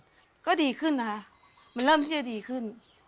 และทางเวรก็ดีขึ้นเริ่มดีขึ้น